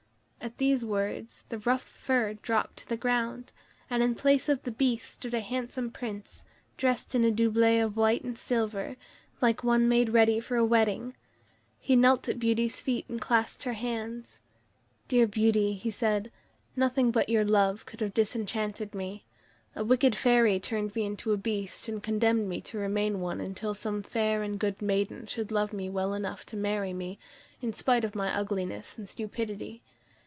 At these words the rough fur dropped to the ground, and in place of the Beast stood a handsome Prince, dressed in a doublet of white and silver, like one made ready for a wedding. He knelt at Beauty's feet and clasped her hands. "Dear Beauty," he said, "nothing but your love could have disenchanted me. A wicked fairy turned me into a Beast, and condemned me to remain one until some fair and good maiden should love me well enough to marry me, in spite of my ugliness and stupidity.